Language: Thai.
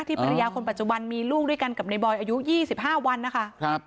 ภรรยาคนปัจจุบันมีลูกด้วยกันกับในบอยอายุ๒๕วันนะคะ